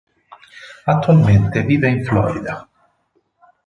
Attualmente vive in Florida.